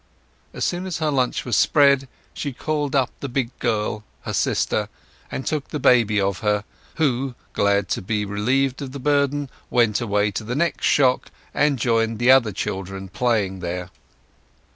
As soon as her lunch was spread she called up the big girl, her sister, and took the baby of her, who, glad to be relieved of the burden, went away to the next shock and joined the other children playing there.